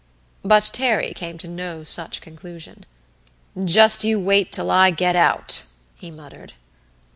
But Terry came to no such conclusion. "Just you wait till I get out!" he muttered.